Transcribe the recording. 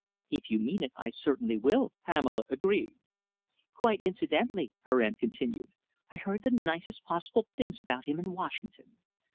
"If you mean it, I certainly will," Pamela agreed. "Quite incidentally," her aunt continued, "I heard the nicest possible things about him in Washington.